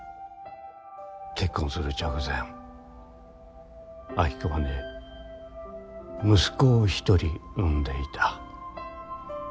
結婚する直前暁子はね息子を１人産んでいた。